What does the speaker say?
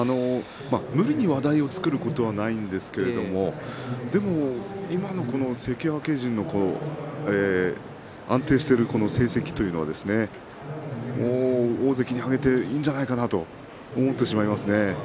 無理に話題を作ることはないんですけれどでも今の関脇陣の安定している成績というのはもう大関に上げていいんじゃないかなと思ってしまいますね。